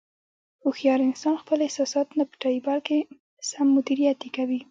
هوښیار انسان خپل احساسات نه پټوي، بلکې سم مدیریت یې کوي.